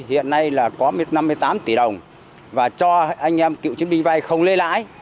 hiện nay là có năm mươi tám tỷ đồng và cho anh em cựu chiến binh vay không lấy lãi